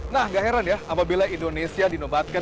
nah gak heran ya apabila indonesia dinobatkan